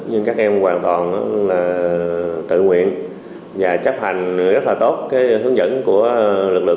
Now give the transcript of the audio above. nhưng các em hoàn toàn tự nguyện và chấp hành rất là tốt hướng dẫn của lực lượng